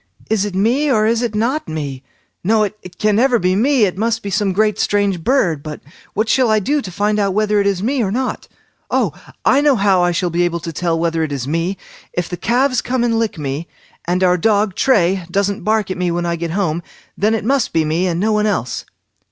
"Is it me, or is it not me? No, it can never be me; it must be some great strange bird. But what shall I do to find out whether it is me or not. Oh! I know how I shall be able to tell whether it is me; if the calves come and lick me, and our dog Tray doesn't bark at me when I get home, then it must be me, and no one else."